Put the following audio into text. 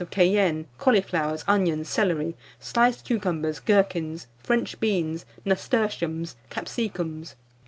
of cayenne, cauliflowers, onions, celery, sliced cucumbers, gherkins, French beans, nasturtiums, capsicums.